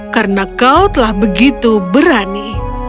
karena kau telah begitu berani